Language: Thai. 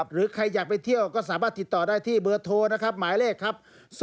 หรือใครอยากไปเที่ยวก็สามารถติดต่อได้ที่เบอร์โทรนะครับหมายเลขครับ